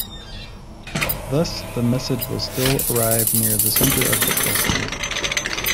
Thus, the message will still arrive near the center of the cluster.